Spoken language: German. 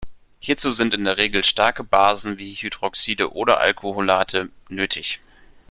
Hierzu sind in der Regel starke Basen wie Hydroxide oder Alkoholate nötig.